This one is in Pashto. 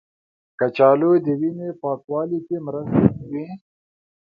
کچالو د وینې پاکوالي کې مرسته کوي.